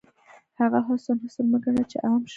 هغه حسن، حسن مه ګڼه چې عام شو